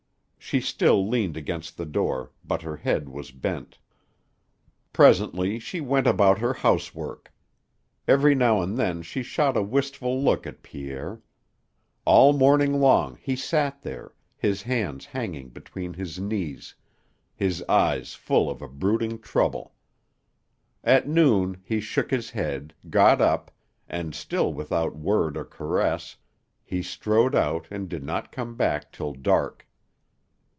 She still leaned against the door, but her head was bent. Presently she went about her housework. Every now and then she shot a wistful look at Pierre. All morning long, he sat there, his hands hanging between his knees, his eyes full of a brooding trouble. At noon he shook his head, got up, and, still without word or caress, he strode out and did not come back till dark.